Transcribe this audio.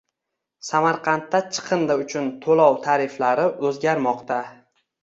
Samarqandda chiqindi uchun to‘lov tariflari o‘zgarmoqdang